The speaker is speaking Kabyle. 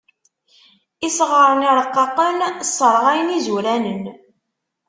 Isɣaṛen iṛqaqen sseṛɣayen izuranen.